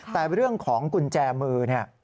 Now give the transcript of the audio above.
แต่เรื่องของกุญแจมือ